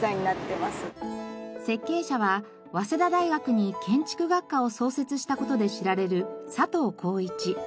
設計者は早稲田大学に建築学科を創設した事で知られる佐藤功一。